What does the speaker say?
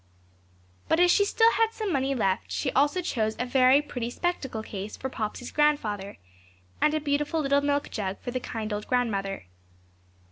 But as she still had some money left, she also chose a very pretty spectacle case for Popsey's grandfather, and a beautiful little milk jug for the kind old grandmother.